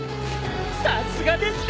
さすがです